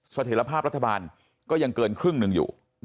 เสถียรภาพรัฐบาลก็ยังเกินครึ่งหนึ่งอยู่